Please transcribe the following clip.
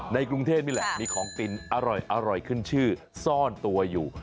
ในกรุงเทพนี่แหละมีของกินอร่อยขึ้นชื่อซ่อนตัวอยู่